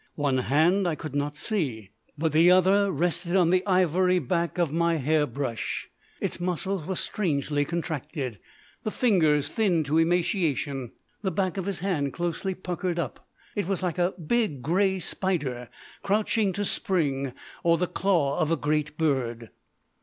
One hand I could not see, but the other rested on the ivory back of my hair brush. Its muscles were strangely contracted, the fingers thin to emaciation, the back of the hand closely puckered up. It was like a big grey spider crouching to spring, or the claw of a great bird.